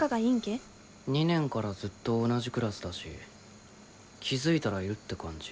２年からずっと同じクラスだし気付いたらいるって感じ。